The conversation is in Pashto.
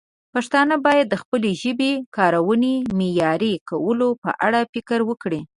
پښتانه باید د خپلې ژبې د کارونې د معیاري کولو په اړه فکر وکړي.